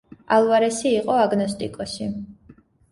ალვარესი იყო აგნოსტიკოსი.